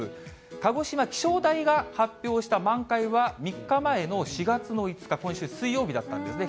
鹿児島気象台が発表した満開は３日前の４月の５日、今週水曜日だったんですね。